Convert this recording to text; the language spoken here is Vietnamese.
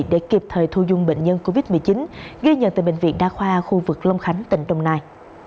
để kịp thời thu dung bệnh nhân covid một mươi chín ghi nhận tại bệnh viện đa khoa khu vực long khánh tỉnh đồng nai